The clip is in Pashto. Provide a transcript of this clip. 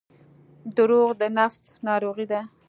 • دروغ د نفس ناروغي ده.